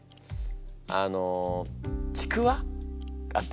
あのちくわあったでしょ？